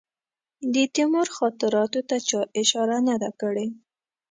د تیمور خاطراتو ته چا اشاره نه ده کړې.